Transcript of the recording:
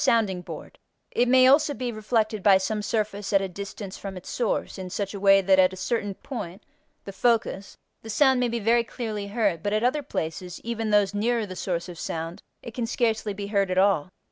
sounding board); it may also be reflected by some surface at a distance from its source in such a way that at a certain point (the focus) the sound may be very clearly heard, but at other places, even those nearer the source of sound, it can scarcely be heard at all.